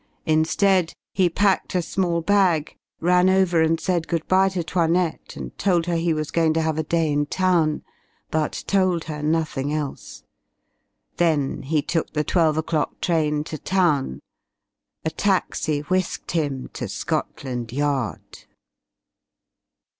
Instead, he packed a small bag, ran over and said good bye to 'Toinette and told her he was going to have a day in town, but told her nothing else. Then he took the twelve o'clock train to town. A taxi whisked him to Scotland Yard.